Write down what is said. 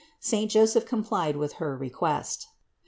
Saint Joseph complied with her request.